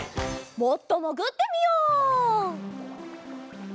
もっともぐってみよう！